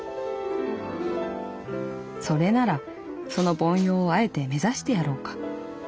「それならその凡庸をあえて目指してやろうか。